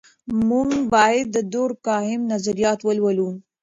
موږ باید د دورکهایم نظریات ولولو.